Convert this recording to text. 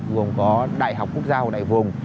gồm có đại học quốc giao đại vùng